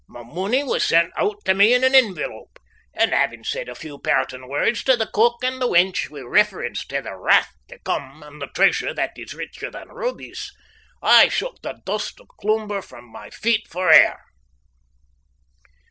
My money was sent oot tae me in an envelope, and havin' said a few pairtin' words tae the cook and the wench wi' reference tae the wrath tae come and the treasure that is richer than rubies, I shook the dust o' Cloomber frae my feet for ever.